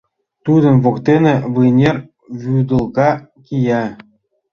Тудын воктене вынер вӱдылка кия.